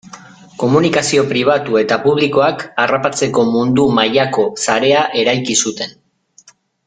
Komunikazio pribatu eta publikoak harrapatzeko mundu mailako sarea eraiki zuten.